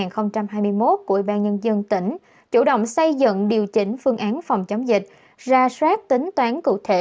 chủ tịch ủy ban nhân dân tỉnh chủ động xây dựng điều chỉnh phương án phòng chống dịch ra soát tính toán cụ thể